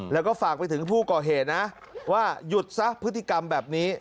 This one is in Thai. แล้วก็ฝากไปถึงผู้ก่อเหตุนะว่าหยุดซะพฤติกรรมแบบนี้